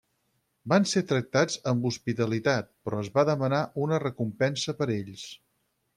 Van ser tractats amb hospitalitat, però es va demanar una recompensa per ells.